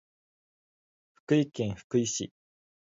福井県福井市